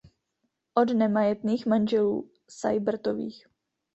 Od nemajetných manželů Sajbrtových.